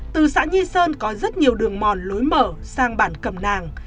từ xã nhi sơn có rất nhiều đường mòn lối mở sang bản cầm nàng